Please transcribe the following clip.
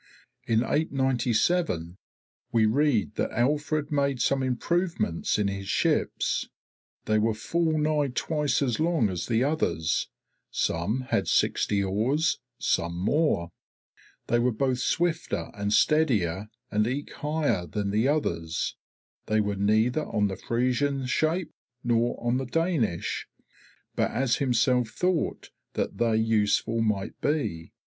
In 897 we read that Alfred made some improvements in his ships. "They were full nigh twice as long as the others; some had sixty oars, some more; they were both swifter and steadier and eke higher than the others; they were neither on the Frisian shape nor on the Danish, but as himself thought that they useful might be."